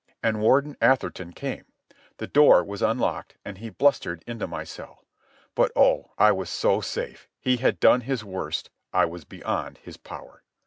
And Warden Atherton came. The door was unlocked, and he blustered into my cell. But oh, I was so safe! He had done his worst. I was beyond his power.